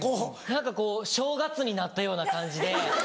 何かこう正月になったような感じで。